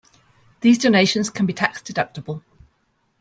These donations can be tax deductible.